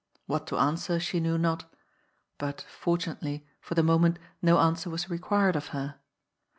What to answer she knew not. But, fortunately, for the moment no answer was required of her.